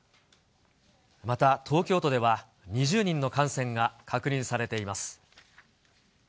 また、東京都では、２０人の感染が確認されています。